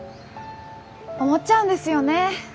思っちゃうんですよね。